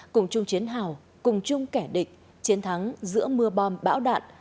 cùng chung chiến hào cùng chung kẻ địch chiến thắng giữa mưa bom bão đạn